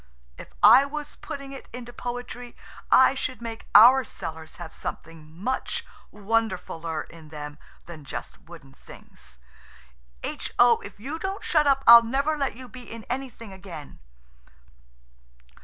If I was putting it into poetry I should make our cellars have something much wonderfuller in them than just wooden things. H.O., if you don't shut up I'll never let you be in anything again."